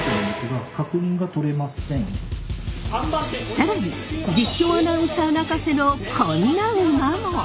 更に実況アナウンサー泣かせのこんな馬も。